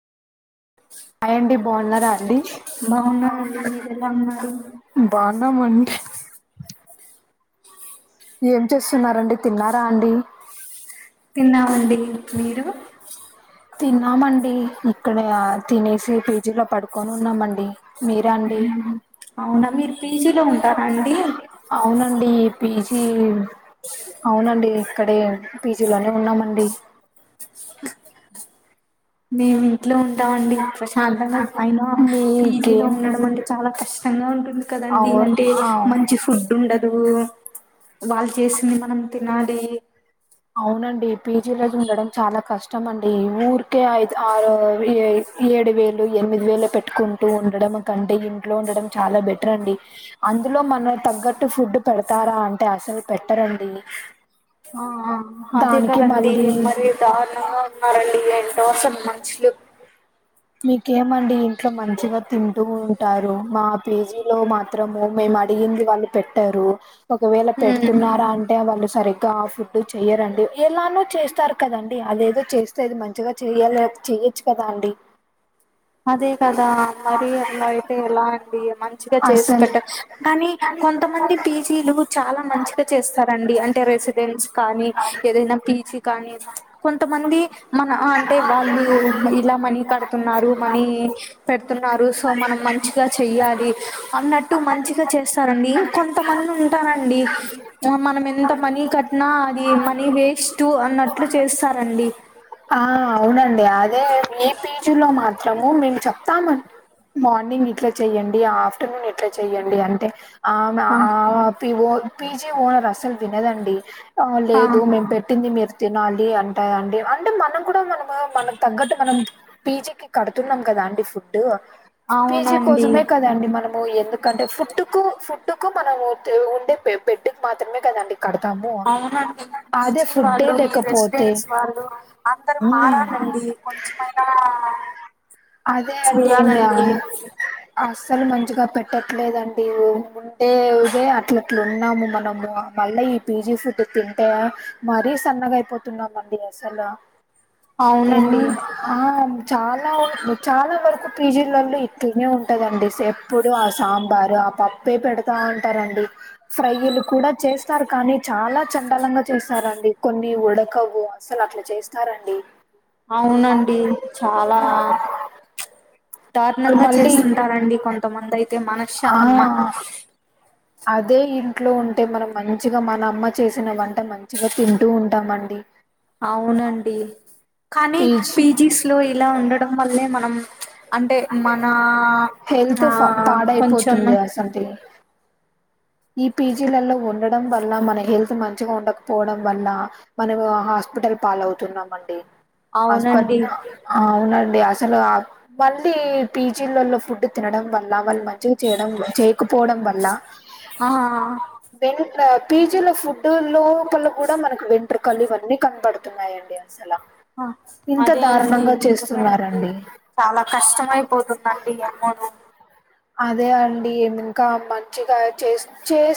అ hi అండి బాగున్నారా అండి బాగున్నానండి మీరు ఎలా ఉన్నారు బాగున్నామండి ఏం చేస్తున్నారండి తిన్నారా అండి తిన్నామండి మీరు తిన్నామండి ఇక్కడ తినేసి పీజీలో పడుకొని ఉన్నామండి మీరా అండి ఉమ్మ్ అవునా మీరు పీజీలో ఉంటారాండి అవునండి పీజీ అవునండి ఇక్కడే పీజీలోనే ఉన్నామండి మేము ఇంట్లో ఉంటామండి ప్రశాంతంగా అయినా పీజీలో మీకేం ఉండడం అంటే చాలా కష్టంగా ఉంటుంది కదండి అవు అంటే ఆ, మంచి ఫు డ్డ్ ఉండదు వాళ్ళు చేసింది మనం తినాలి అవునండి పీజీలజు ఉండడం చాలా కష్టం అండి ఊరికే ఐదు ఆరు వే ఏడు వేలు ఎనిమిది వేలు పెట్టుకుంటూ ఉండడం కంటే ఇంట్లో ఉండడం చాలా బెటర్ అండి అందులో మనం తగ్గట్టు ఫుడ్ పెడతారా అంటే అసలు పెట్టరండి ఆ ఆ అదే దానికి కదండి మళ్ళీ మరి దారుణంగా ఉన్నారండి ఏంటో అసలు మనుషులు మీకేమండి ఇంట్లో మంచిగా తింటూ ఉంటారు మా పీజీలో మాత్రము మేము అడిగింది వాళ్ళు పెట్టారు ఒకవేళ ఉమ్ పెడుతున్నారా అం టే వాళ్ళు సరిగ్గా ఫుడ్ చెయ్యరండి ఎలానో చేస్తారు కదండి అదేదో చే స్తే అది మంచిగా చేయాల చెయొచ్చు కదా అండి అదే కదా మరి అలా అయితే ఎలా అండి మంచిగా చేసి అసలు పెట్టా కానీ కొంతమంది పీ జీలు చాలా మంచిగా చేస్తారండి అంటే రెసిడెన్స్ కానీ ఏదైనా పీజీ కానీ కొంతమంది మన అంటే వాళ్ళు ఇలా మనీ కడుతున్నారు మనీ పెడుతున్నారు సో మనం మంచిగా చెయ్యాలి అన్నట్టు మంచిగా చేస్తారండి కొంతమంది ఉంటరండి ఆ మనం ఎంత మనీ కట్ట్నా అది మనీ వేస్ట్ అన్నట్లు చేస్తా అండి ఆ అవునండి అదే మీ పేజీలో మాత్రము మేము చెప్తామ మార్నింగ్ ఇట్లా చెయ్యండి ఆఫ్టర్నూన్ ఇట్లా చెయ్యండి అంటే ఆమె ఆ పిఓ పిజీ ఓనర్ అసలు వినదండి ఆ లేదు మేము పెట్టింది మీరు తినాలి అం ఆ అండి అంటే మనం కూడా మనము మన తగ్గట్టు మనం పీజీకి కడుతున్నాం కదా అండి ఫుడ్ పీజీ అవునండి కోసమే కదండి మనం ఎందుకంటే ఫుడ్ కు ఫుడ్ కు మనము ఉండే బెడ్డుకు మాత్రమే కదండి కడతాము అవునండి ఈ అదే పీజీ ఫుడ్డే వాళ్ళు ఈ లేకపో రెసిడెన్స్ వాళ్ళు అందరు మారాలండి కొంచమైనా అదే అండి మ్యా అసలు మంచిగా పెట్టట్లేదండి ఉండేదే అట్లట్లా ఉన్నాము మనము మళ్ళీ ఈ పీజీ ఫుడ్ తింటే మరీ సన్నగా అయిపోతున్నామండి అసలు ఏమో అవునండి ఆ చాలా ఉన్ చాలా వరకు పీజీలలో ఇట్లనే ఉంటాదండి ఎప్పుడు ఆ సాంబారు ఆ పప్పు ప్పే పెడతా ఉంటారండి ఫ్రైలు కూడా చేస్తారు కానీ చాలా చండలంగా చేస్తారండి కొన్ని ఉడకవు అసలు అట్లా చేస్తారండి అవునండి చాలా దారుణంగా మళ్ళీ చేస్తుంటారండి కొంతమంది అయితే మనష ఆ మ్మ అదే ఇంట్లో ఉంటే మనం మంచిగా మన అమ్మ చేసిన వంట మంచిగా తింటూ ఉంటామండి అవునండి కానీ పీజ్ పీజీస్ లో ఇలా ఉండడం వల్లే మనం అంటే మన హెల్త్ ఆ ఫా కొంచెం పాడైపోతుంది అసంటి ఈ పీజీలలో ఉండడం వల్ల మన హెల్త్ మంచిగా ఉండకపోవడం వల్ల మనము హాస్పిటల్ పాలవుతున్నామండి ఆస్పట్ అవునండి ఆ అవునండి అసలు ఇది పీజీలలో ఫుడ్ తినడం వల్ల వాళ్ళు మంచిగా చేయడం చేయకపోవడం వల్ల ఆ వెంట పీజీలో ఫుడ్ లోపల కూడా మనకి వెంట్రుకలు ఇవన్నీ కనబడుతున్నాయండి అసలా ఇంత అదే అండి దారుణంగా నిజమే అండి చేస్తున్నారండి చాలా కష్టమయిపోతుందండి ఏమోను అదే అండి ఇంకా మంచిగా చేస్ చే